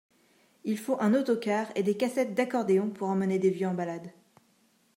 Il faut un autocar et des cassettes d’accordéon, pour emmener des vieux en balade